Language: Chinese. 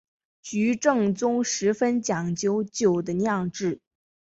菊正宗十分讲究酒的酿制。